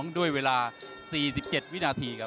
ด้วยเวลา๔๗วินาที